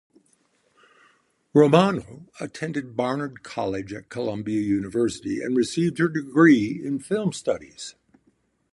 Romano attended Barnard College at Columbia University and received her degree in Film Studies.